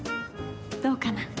どうかな？